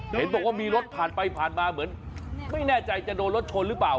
เห็นบอกว่ามีรถผ่านไปผ่านมาเหมือนไม่แน่ใจจะโดนรถชนหรือเปล่า